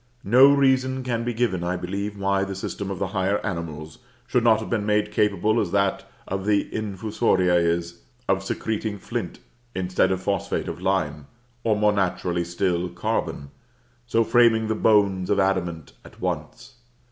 No reason can be given, I believe, why the system of the higher animals should not have been made capable, as that of the Infusoria is, of secreting flint, instead of phosphate of lime, or more naturally still, carbon; so framing the bones of adamant at once.